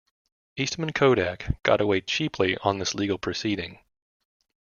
Eastman Kodak got away cheaply on this legal proceeding.